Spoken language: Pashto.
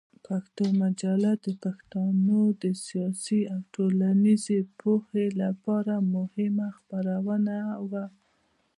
پښتون مجله د پښتنو د سیاسي او ټولنیزې پوهې لپاره مهمه خپرونه وه.